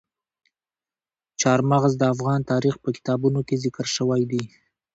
چار مغز د افغان تاریخ په کتابونو کې ذکر شوی دي.